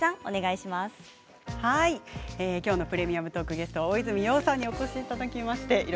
「プレミアムトーク」のゲストは大泉洋さんにお越しいただきました。